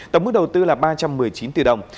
tổng mức đầu tư là ba trăm một mươi chín tỷ đồng